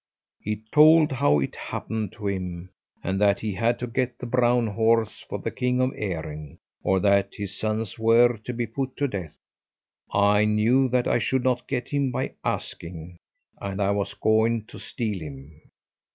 He told how it happened to him, and that he had to get the brown horse for the king of Erin, or that his sons were to be put to death. "I knew that I should not get him by asking, and I was going to steal him."